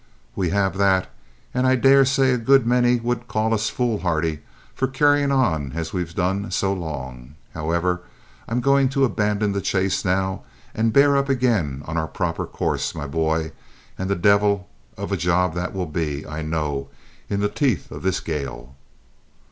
"We have that, and I daresay a good many would call us foolhardy for carrying on as we've done so long. However, I'm going to abandon the chase now and bear up again on our proper course, my boy, and the devil of a job that will be, I know, in the teeth of this gale!"